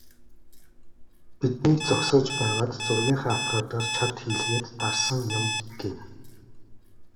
"Биднийг зогсоож байгаад зургийнхаа аппаратаар чад хийлгээд дарсан юм" гэв.